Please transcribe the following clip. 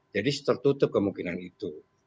jadi tertutup kemungkinan itu